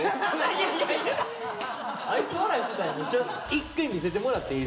一回見せてもらっていい？